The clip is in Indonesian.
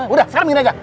udah sekarang begini aja